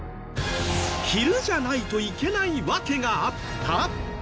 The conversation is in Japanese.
昼じゃないといけない訳があった？